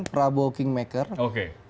prabowo kingmaker oke